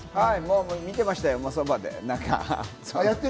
見てましたよ、側で。